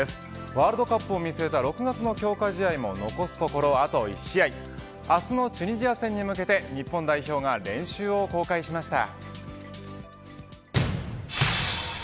ワールドカップを見据えた６月の強化試合も残すところ、あと１試合明日のチュニジア戦に向けて日本代表が練習を公開しました。